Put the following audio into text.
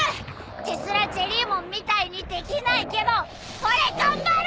テスラジェリーモンみたいにできないけど俺頑張る！